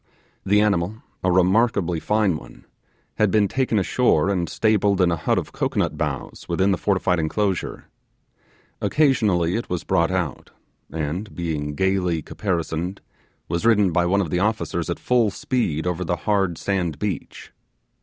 The animal, a remarkably fine one, had been taken ashore, and stabled in a hut of cocoanut boughs within the fortified enclosure. Occasionally it was brought out, and, being gaily caparisoned, was ridden by one of the officers at full speed over the hard sand beach.